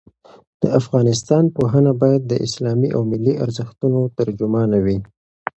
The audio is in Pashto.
د افغانستان پوهنه باید د اسلامي او ملي ارزښتونو ترجمانه وي.